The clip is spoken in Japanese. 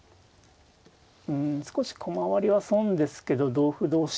うん少し駒割りは損ですけど同歩同飛車